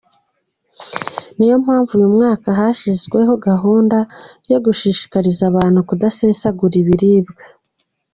Ni yo mpamvu uyu mwaka hashyizweho gahunda yo gushishikariza abantu kudasesagura ibiribwa”.